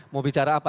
mau bicara apa